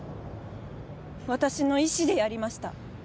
私の意思でやりました